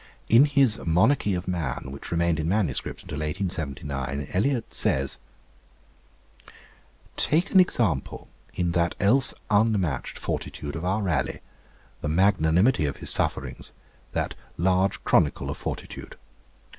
In his Monarchy of Man, which remained in manuscript until 1879, Elyot says: Take an example in that else unmatched fortitude of our Raleigh, the magnanimity of his sufferings, that large chronicle of fortitude.